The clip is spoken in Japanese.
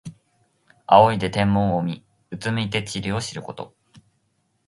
仰いで天文を見、うつむいて地理を知ること。